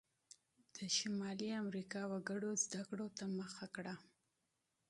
د شمالي امریکا وګړو زده کړو ته مخه کړه.